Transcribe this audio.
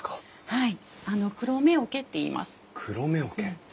はい。